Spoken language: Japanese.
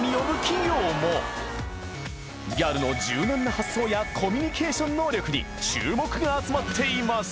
［ギャルの柔軟な発想やコミュニケーション能力に注目が集まっています］